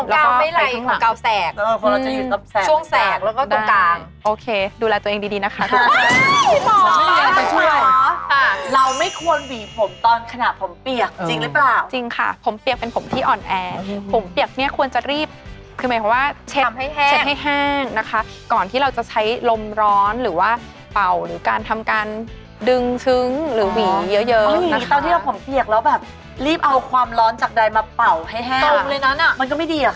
แล้วก็ไขข้างหลังแล้วก็ไขข้างหลังแล้วก็ไขข้างหลังแล้วก็ไขข้างหลังแล้วก็ไขข้างหลังแล้วก็ไขข้างหลังแล้วก็ไขข้างหลังแล้วก็ไขข้างหลังแล้วก็ไขข้างหลังแล้วก็ไขข้างหลังแล้วก็ไขข้างหลังแล้วก็ไขข้างหลังแล้วก็ไขข้างหลังแล้วก็ไขข้างหลังแล้วก็ไขข้าง